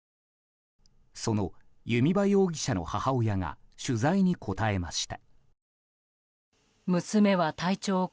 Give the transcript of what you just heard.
その弓場容疑者の母親が取材に答えました。